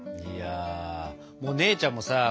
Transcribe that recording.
いやもう姉ちゃんもさ